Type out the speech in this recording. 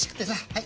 はい。